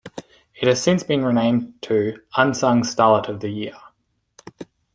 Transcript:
It has since been renamed to "Unsung Starlet of the Year".